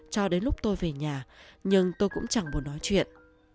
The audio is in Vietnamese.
cho đến lúc tôi về nhà nhưng tôi cũng chẳng muốn nói chuyện